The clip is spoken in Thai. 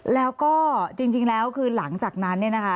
แล้วก็จริงแล้วคือหลังจากนั้นเนี่ยนะคะ